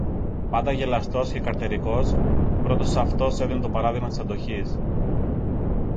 Πάντα γελαστός και καρτερικός, πρώτος αυτός έδινε το παράδειγμα της αντοχής